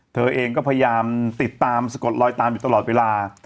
เธอเองก็พยายามติดตามสะกดลอยตามอยู่ตลอดเวลา